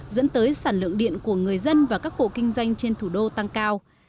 dẫn tới sản lượng điện của người dân và các hộ kinh doanh trên thủ đô tăng cao